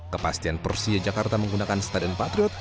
kepastian persija jakarta menggunakan stadion patriot